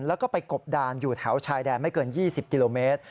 แล้วก็ไปกบดานอยู่แถวชายแดนไม่เกิน๒๐กิโลเมตร